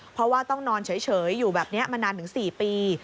เพราะว่าต้องนอนเฉยอยู่แบบนี้มานานถึง๔ปี